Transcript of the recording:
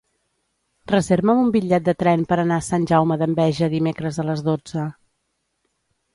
Reserva'm un bitllet de tren per anar a Sant Jaume d'Enveja dimecres a les dotze.